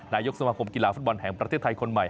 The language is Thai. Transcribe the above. นายกสมาคมกีฬาฟุตบอลแห่งประเทศไทยคนใหม่